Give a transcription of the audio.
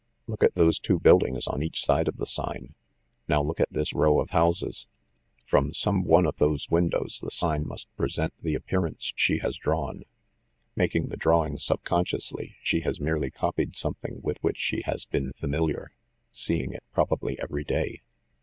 Look at those two buildings on each side of the sign. Now look at this row of houses. From some one of those windows the sign must present the appearance she has drawn. Making the drawing subconsciously, she has merely copied something with which she has been familiar, ‚ÄĒ seeing it, probably, every day.